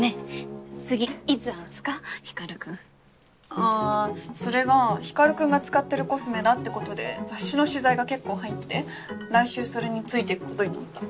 あぁそれが光君が使ってるコスメだってことで雑誌の取材が結構入って来週それについてくことになった。